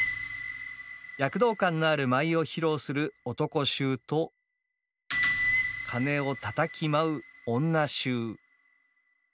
躍動感のある舞を披露する「男衆」と鉦をたたき舞う「女衆」。